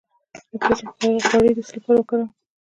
د پیاز غوړي د څه لپاره وکاروم؟